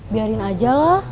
biarin aja lah